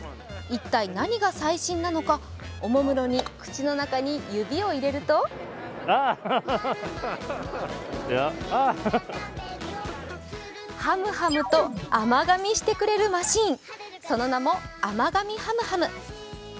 一体何が最新なのか、おもむろに口の中に指を入れるとハムハムと甘噛みしてくれるマシン、その名も甘噛みハムハム。